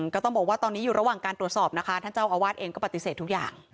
ก็ต้องบอกว่าตอนนี้อยู่ระหว่างการตรวจสอบนะคะท่านเจ้าอาวาสเองก็ปฏิเสธทุกอย่าง